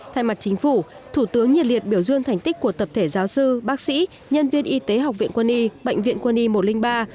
thay mặt chính phủ thủ tướng nhiệt liệt biểu dương thành tích của tập thể giáo sư bác sĩ nhân viên y tế học viện quân y bệnh viện quân y một trăm linh ba